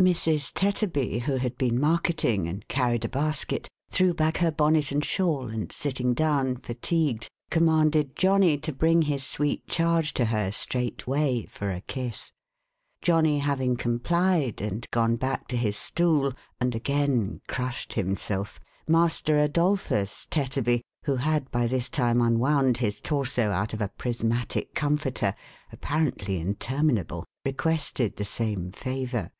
454 THE HAUNTED MAN. Mrs. Tetterby, who had been marketing, and carried a basket, threw back her bonnet and shawl, and sitting down, fatigued, commanded Johnny to bring his sweet charge to her straightway, for a kiss. Johnny having complied, and gone back to his stool, and again crushed himself, Master Adolphus Tetterby, who had by this time unwound his Torso out of a prismatic comforter, apparently interminable, re quested the same favour.